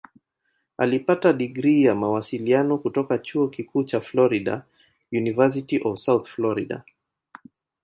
Alipata digrii ya Mawasiliano kutoka Chuo Kikuu cha Florida "University of South Florida".